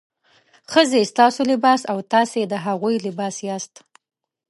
ښځې ستاسو لباس او تاسې د هغوی لباس یاست.